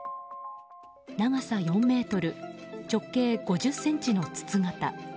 長さ４ｍ、直径５０ｃｍの筒形。